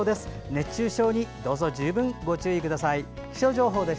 熱中症に十分ご注意ください。